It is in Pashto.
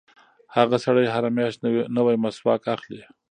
هغه سړی هره میاشت نوی مسواک اخلي.